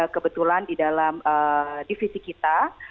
kebetulan di dalam divisi kita